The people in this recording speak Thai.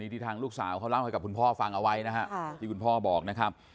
ที่ทางลูกสาวเขาเล่าให้กับคุณพ่อฟังเอาไว้นะฮะที่คุณพ่อบอกนะครับ